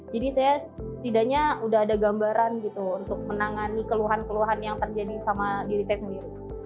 jadi saya tidaknya sudah ada gambaran untuk menangani keluhan keluhan yang terjadi sama diri saya sendiri